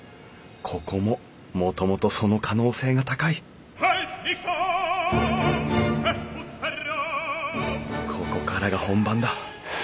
ここももともとその可能性が高いここからが本番だ。